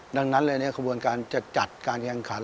ดังนั้นเลยขบวนการจะจัดการแข่งขัน